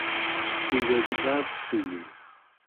We will be glad to see you!